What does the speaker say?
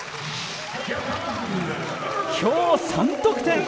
きょう、３得点。